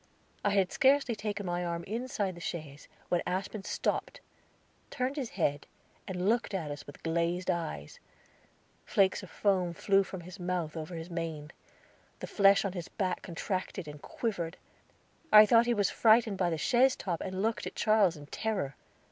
I had scarcely taken my arm inside the chaise when Aspen stopped, turned his head, and looked at us with glazed eyes; flakes of foam flew from his mouth over his mane. The flesh on his back contracted and quivered. I thought he was frightened by the chaise top, and looked at Charles in terror.